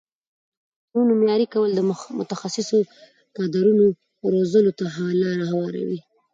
د پوهنتونونو معیاري کول د متخصصو کادرونو روزلو ته لاره هواروي.